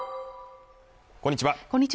こんにちは